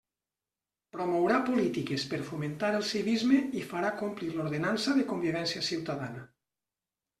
Promourà polítiques per fomentar el civisme i farà complir l'ordenança de convivència ciutadana.